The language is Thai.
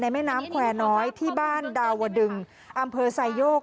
แม่น้ำแควร์น้อยที่บ้านดาวดึงอำเภอไซโยก